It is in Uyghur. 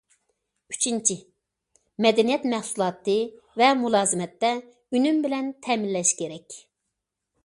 ئۈچىنچى، مەدەنىيەت مەھسۇلاتى ۋە مۇلازىمەتتە ئۈنۈم بىلەن تەمىنلەش كېرەك.